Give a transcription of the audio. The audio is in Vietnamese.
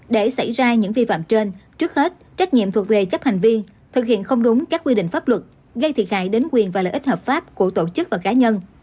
để xảy ra những vi phạm trên trước hết trách nhiệm thuộc về chấp hành viên thực hiện không đúng các quy định pháp luật gây thiệt hại đến quyền và lợi ích hợp pháp của tổ chức và cá nhân